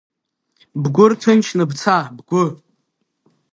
Бгәы рҭынчны бца, бгәы!